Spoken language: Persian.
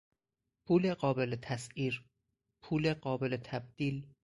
پول قابل تسعیر، پول قابل تبدیل